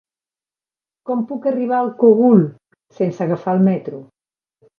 Com puc arribar al Cogul sense agafar el metro?